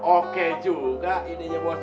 oke juga ini nyebuah cu